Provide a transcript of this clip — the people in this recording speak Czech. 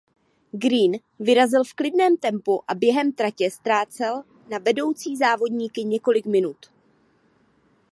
Green vyrazil v klidném tempu a během tratě ztrácel na vedoucí závodníky několik minut.